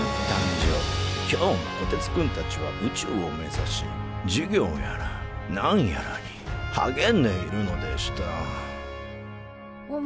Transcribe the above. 今日もこてつくんたちは宇宙を目指し授業やら何やらにはげんでいるのでしたおもしろかったね